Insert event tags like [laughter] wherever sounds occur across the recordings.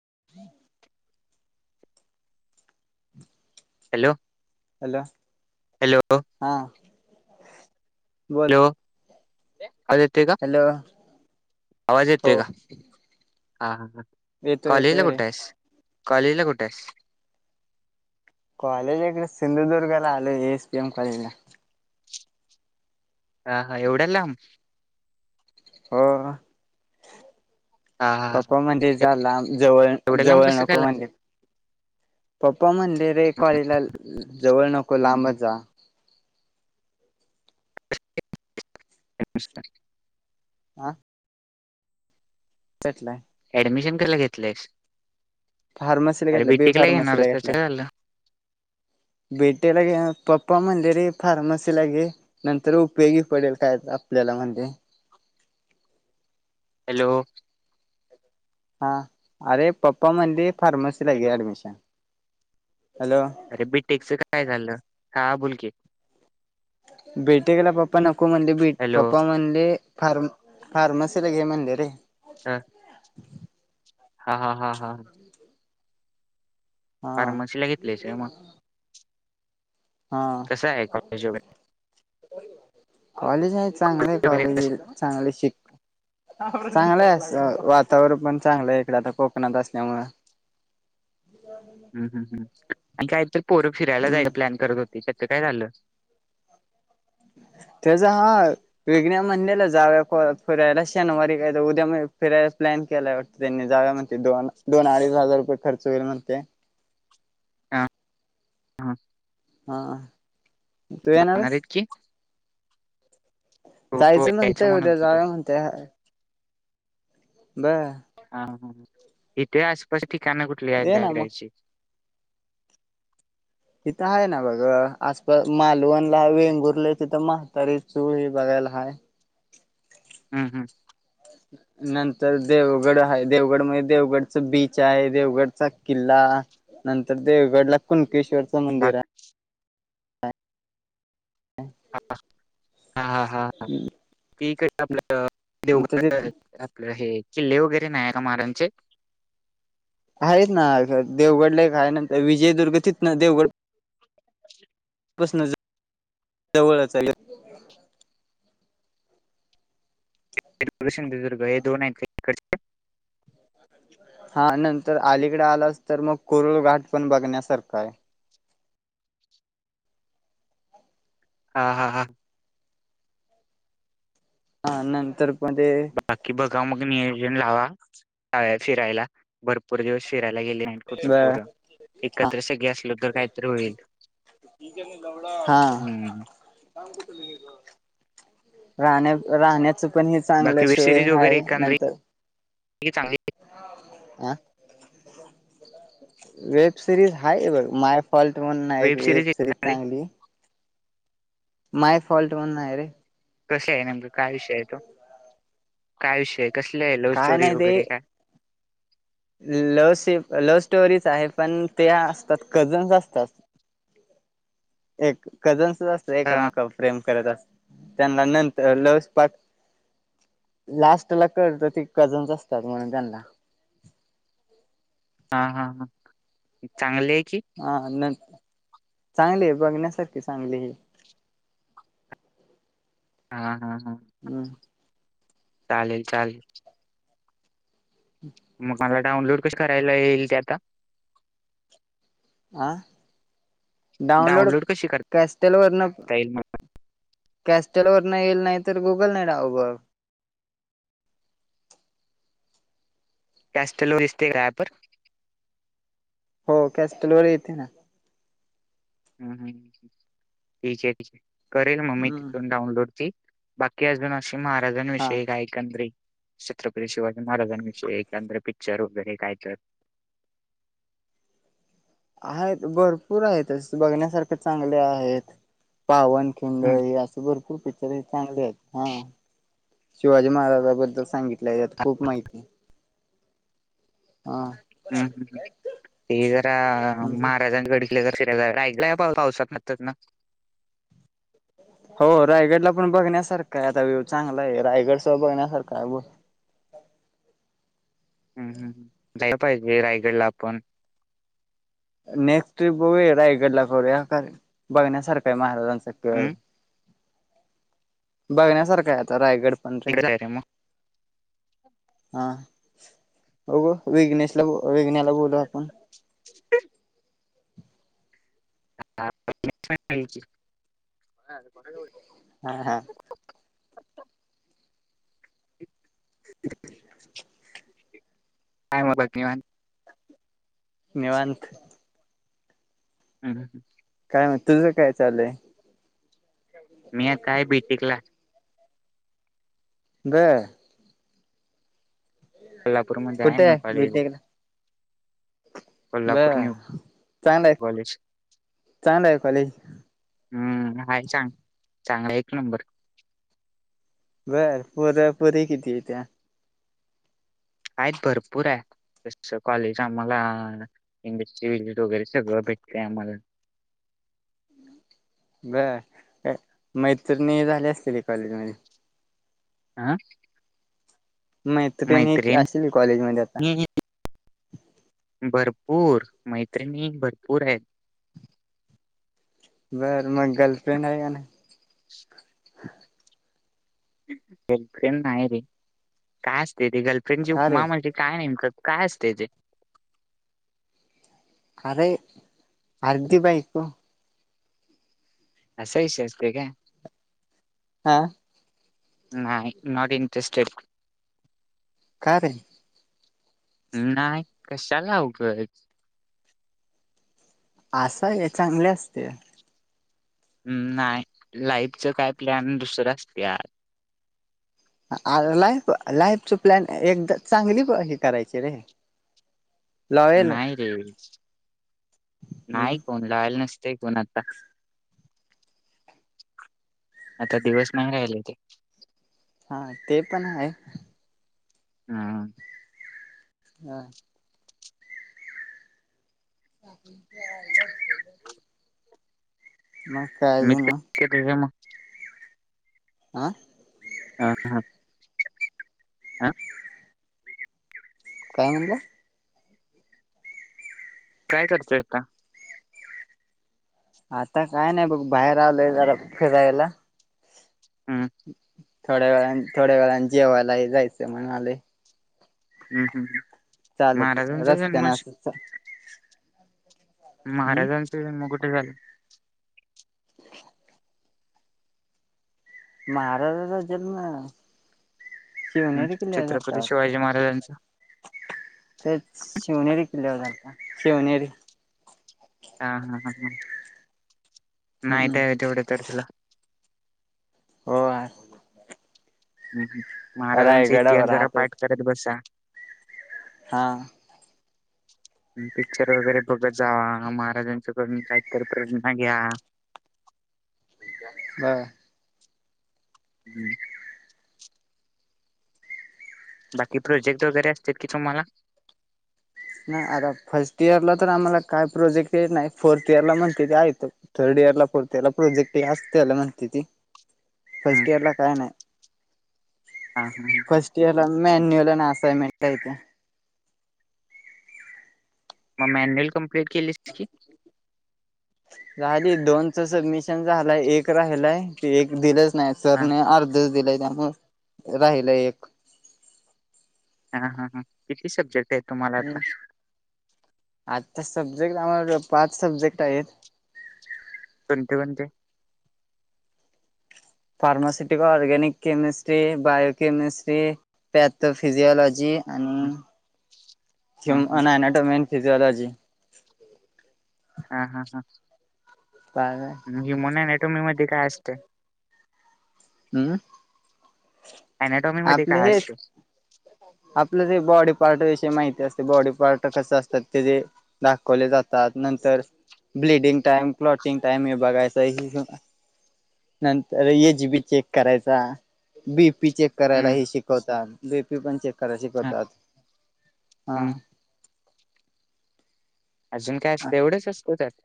[inaudible] ह [inaudible] [inaudible] हम [inaudible] hello hello hello [inaudible] हा बोल [inaudible] आज येत का हॅलो आवाज येत हो का ह येतोय येतोयरे [inaudible] कॉलेजला कुठे आहे [inaudible] कॉलेज इकडे सिंधुदुर्गला आल ए एस पीएम कॉलेज ला [inaudible] हा हा एवढ्या लाब [inaudible] हो. हा हा हा पप्पा मंदिर जायला जवळ एवढ्या लांब जवळ आहे कसं काय नको आला? म्हणले, पप्पा मं रे रे कॉलेला जवळ नको लांबच जा. [inaudible] आह [inaudible] [inaudible] पेटलाय ऍडमिशन कयला घेतयस [inaudible] फार्मसीला घेतलं होतास बेफार्मसीला त्याचं घेतलं काय झालं [inaudible] बेटे े पप्पा म्हणले रे फार्मसीला गे नंतर उपयोगी पडेल काय आपल्याला म्हणे [inaudible] हॅलो [inaudible] [inaudible] हा अरे पप्पा म्हणलीे फार्मसी ला हॅलो गे ऍडमिशन हॅलो [inaudible] अरे बीटेकच काय झालं का बुलके [inaudible] भेटे गेला पप्पा नको म्हणले बेट हॅलो पप्पा म्हणले फार्म फारमसीलाग हे म्ह दे र [inaudible] ह [inaudible] हा हा हा हा [inaudible] हा फार्मसी ला घेतलेच मग [inaudible] हा [inaudible] कस आहे कॉलेज व [inaudible] कॉलेज आहे चांगले वगैरे कसं कॉलेज चांगले शिक चांगलं आहेस वातावरण पण चांगलय. इकडे आता कोकणात असल्यामुळे हम्म हम्म हम्म आणि काहीतर पोरं फिरायला हम्म जायचा प्लॅन करत होत. त्यािच्यातचं काय झालं? [inaudible] ह त्याचा हा विग्न्या मंडेला जावया फो फिरायला शनिवारी काय उद्या म फिरायला प्लॅन केलाय वाटतं त्यांनी जाउया म्हणते दोन दोन अडीच हजार रुपये खर्च होईल म्हणते. हा हा. हा. तू जाणार येणारस आहेत की. हो हो जायचं यायचं नंतर म्हणत उद्या होतो जाउ या म्हणतेय. ब हा हा इथे आसपास ठिकाणं कुठली आहेत ये ना मग गागरायची? तिथं आहे ना बघ आसपास मालवणला वेंगुर्ल्या तिथं म्हातारी चूळ हे बघाय ला हाय. हम्म हम्म. ह नंतर देवगड हाय देवगड मध्ये देवगडच बीच हाय देवगडचा किल्ला नंतर देवगड ला कुणकेश्वरचं मंदिर हाय. बाकी हा हा हा हा ठीक आहे आपलं नंतर ते देवगड आपलं हे किल्ले वगैरे नाही आहे का महाराजांचे? आहेत ना देवगड ला एक हाय नंतर विजयदुर्ग तिथंनं देवगड पसनं जवळच आहे. [inaudible] सिंधुदुर्ग हे दोन आहेत तिकडचे [unintelligible] हा नंतर अलीकडे आलाच तर मग कोरुळ घाट पण बघण्यासारखं आहे. हा हा हा. हा नंतर पण ते बाकी बघा मग नियोजन लावा जाव्या फिरायला भरपूर दिवस फि ला गेले नाही कुठ ब पोर एकत्र सगळे असलो तर काहीतरी होईल हा हम्म राहण्या राहण्याचं पण हे चांगलं सोय हाय नंतर ही चांगली आं वेब सिरीज हाय बघ मायफॉल्ट म्हणून हाय एक वेब सिरीज चांगली. मायफॉल्ट म्हणून हाय रे. कसे आहे नेमकं काय विषय आहे तो काय विषय आहे? कसले आहे लव्ह काय स्टोरी नाही ते वगैरे काय? लव्ह स लव्ह स्टोरीच आहे पण ते असतात कझन्स असतात. एक कझन्स असतं एका हा मेकावर प्रेम करतास त त्यांना नंतर लवस्पाक लास्ट ला कळतं ते कझन्स असतात म्हणून त्यांना हा हा हा चांगली की हा हा नंत चांगले आहे बघण्यासारखी चांगली हे. हा. हा हा हम्म. चालेल चाल म मला डाउनलोड कशी करायला येईल ते आता? आ डाउनलोड कशी करता कॅस्टल वरन येईल मला कॅस्टेल वर न येईल नाही तर गुगल न ावू बर कॅस्टलो दिसते का ऑफ वर हो कॅस्टलवर येते ना हम् हम ठीक आहे ठीक करेल मममीी हम्म तिथून डाउनलोड बाकी अजून अशी हा महाराजांविषयी कायएकंदरी छत्रपती शिवाजी महाराजांविषयी एकांंद्र पिक्चर वगैरे काय तर आहेत भरपूर आहेत अस बघण्यासारखे चांगले आहेत पावनखिंड हम्म, हे असे भरपूर पिक्चर आहेत चांगले आहेत हा शिवाजी महाराजाबद्दल सांगितल्यायता खूप माहिती आहे हम्म हम्म ते जरा महाराजांकड आप पावसात न ना हो रायगडला पण बघण्यासारखा आहे आता व्हू चांगला आहे रायगड स बघण्यासारखा आहे ब [unintelligible] हम् हम् जायला पाहिजे रायगडला आपण नेक्स्ट ट्र्रीप बघूया रायगड ला करूया बघण्यासारखा आहे महाराजांचा सकल हम्म बघण्यासारखा आता रायगड पण रे तिकडे जाय मग हा ब ग वघ्नेशला वेघ्ण्याला बोलू आपण ह [unintelligible] हा हा अचछा ते काय मबाघतीवा निवत हम् ह ह काय तुझं काय चालय मी आताय बी टिकला ब कोल्हापूरमध्ये आहे कुठे न्यू कॉलेज बीटकला ब कोल्हापूर न्यू चां आहे कॉलेज चांड आहे कॉलेज हम्म हाय चांग चांग एक नंबर बर पोर पुोरी किती य त्या आहेत भरपूर आहे तस कॉलेज आम्हाला इंग्लिश्हलेज वगैरे सगळं अपेक्षा आमला हम् ब मैत्रणी झाली असलेली कॉलेज मध्ये आं मह तर त्यांनी असली कॉलेज मध्ये आता भरपूर मैत्रिणी भरपूर आहेत बर मग गर्लफ्रेंड आहे का नाही गर्लफ्रेंड नाही रे काय असते रे गर्लफ्रेंडची का रे उपमा म्हणे काय नेमकं काय असते तेे अरे आरदी बाईक अस विश असते का हा नाही नॉट इनटरेस्टेड काे नाही कशालावगच असा आहे चांगले असते हम् नाही लाईफच काय प्लॅन दुसरं असते लाईफ लाईफच प्लॅन एकदा चांगली हे करायची रे [unintelligible] नाही रे हम्म नाही कोण राहायला नसतय कोण आता आता दिवस नाही राहिले ते हा ते पण आहे हा हा अ ते अ मी मग आह हा हा आ काय म्हणलं काय करतंयता आता काय नाही बघ बाहेर आलंय जरा फिरायला हम् थोड्या वेळ थोड्या वेळा जेवायला जायचं म्हण आले हम्म हम् महाराजांचा रस्त्यान जन्म असच हम्म महाराजांच मोगठे झालं महाराजाचा जन्म हम्म, शिवनेरी किल्या ज छत्रपती वाटत शिवाजी महाराजांचा ते शिवनेरी किल्ल्यावर झा शिवनेरी हा हा ह ह हम्म नाहीतजवढ तचला हो ह महाराजांचा इतिहास रायगडावर जरा राहत होत पाठ करत बसा ह पिक्चर वगैरे बघत जा महाराजांच्याकडून काहीतरी प्रेरणा घ्या हा हम् बाकी प्रोजेक्ट वगैरे असत कि तुम्हाला नाही आता फर्स्ट इयरला तर आम्हाला काय प्रोजेक्ट नाही फोर्थ इयरला म्हणते थर्ड इयर लारला प्रोजेक्ट जास्तला म्हणते ती हम्म, फर्स्ट इयर ला काय नाही हा, हा, हा. फस्ट इयर ला मॅन्युअल आणि असइनमेंट मग मॅन्युअल कमप्लीट केली की झाली दोनच सडमिशन झालंय एक राहिलय त एक दिलं हां, स्नॅसरने अर्ध दिलाय त्यामु राहिल एक हा हा हा किती सब्जेक्ट आहे तुम्हाला आठ सजेक्ट पाच सजेक्ट आहे आहेेत कोणते कोणते pharmaceutical organic chemistry biochemistry pathophysiology हं, हां, हां, आणिटोमे फिजिलॉजी हा हा हा काय म मन क तुमही म काय असते हम्म अनॅटॉमीमध्ये आपले काय असते? हेच आपलं जे बॉडी पार्ट विषी माहिती असते बॉडी पार्ट कस असतात ते जे दाखवले जातात नंतर ब्लडिंग टाइम क्लॉटिंग टाइम हे बघायचा ह नंतर एच बी चेक करायचा बी पी चेक हं, करायलाही शिकवता बी पी पण चेक कय हां, शिकवतात हा हं. अजून काय असतं एवढंच असतो त्यात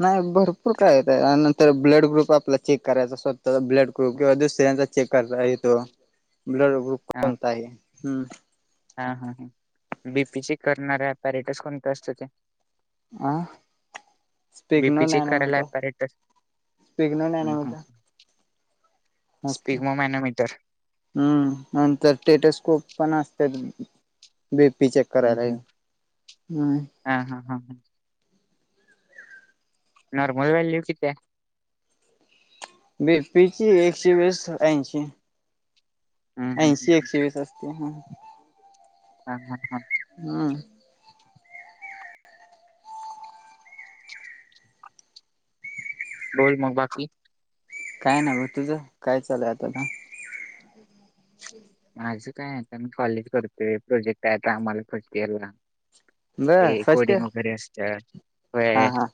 नाही भरपूर काय येतय नंतर ब्लड ग्रुप आपला चेक करायचा स्वतः ब्लड ग्रुप किंवा दुसरे चेक कर आहे तो ब्लड ग्रुप कोणता आहे ह् हा हा ह बीपी करणारऱ्या पॅरेटस कोणते असत ते अ स्पिगनो बीपी चेक नॅनो करायला माहित आहे? ॲपॅरेटस स्पिगनो नॅनो हं, हं. माहित आहे? असतंय स्पिग्मोमॅनोमीटर हम्म आणि ते नंतर टेटस्कोप? पण असत बीपी चेक हं, करायला. हं. हम, हम् [inaudible] नॉर्मल व्हल्यू किती आहे? बीपीची एकशे वीस ऐंशी हं, हं, हं, ऐंशी एकशे वीस असत्या ह. हा हा हा हम्म, बोल मग बाकी. काय ना ग तुझं काय चालय आता? माझं काय आता मी कॉलेज करतोय. प्रोजेक्ट आहे, आम्हाला फर्स्ट इयर ला. बर ते फर्स्ट इयर कोडिंग वगैरे असतात. हा वह्या हा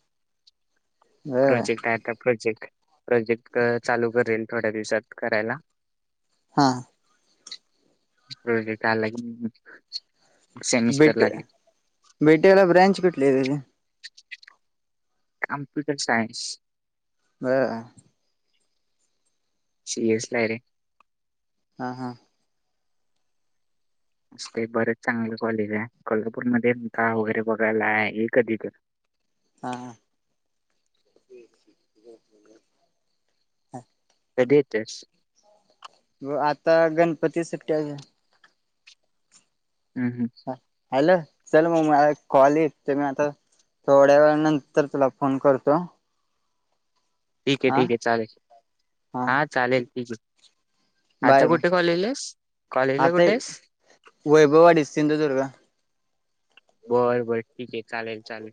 बर प्रोजेक्ट आता प्रोजेक्ट प्रोजेक्ट चालू करेल थोड्या दिवसात करायला. हा प्रोजेक्ट आलाय. बेट बेटेला ब्रांच कुठली आहे का रे? कम्प्युटर सायन्स बरं, सी एस ला हायरे. हा हा बरेच चांगले कॉलेज आहे. कोल्हापूरमध्ये का वगैरे बघायला आहे हे कधी तर. हा ह कधी येतोयस? व आता गणपती सुट्टया. हम् हम् हॅलो, चल मग मला एक कॉल येत ते मी आता. थोड्या वेळ्या नंतर तुला फोन करतो. ठीक आहे. हा ठीक आहे. चालेल, हा चालेल ठीक आहे. आता बाय मग कुठे कॉलेज आहेस. कॉलेजला आता कुठे आहेस? वैभववाडी, सिंधुदुर्ग. व्हय व्हय ठीक आहे चालेल चालेल.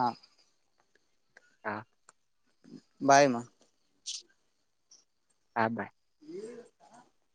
हा. हा बाय मग हा बाय, [inaudible]